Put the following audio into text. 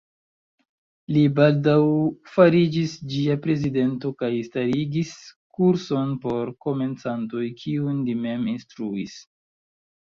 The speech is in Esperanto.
Li baldaŭ fariĝis ĝia prezidento kaj starigis kurson por komencantoj, kiun li mem instruis.